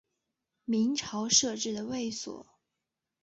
明朝设置的卫所。